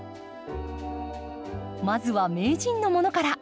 まずは名人のものから。